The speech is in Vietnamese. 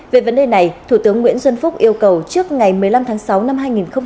về vấn đề này thủ tướng nguyễn xuân phúc yêu cầu trước ngày một mươi năm tháng sáu năm hai nghìn hai mươi